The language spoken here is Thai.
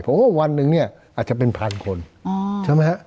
เพราะว่าวันนึงอาจจะเป็น๑๐๐๐คนใช่ไหมครับ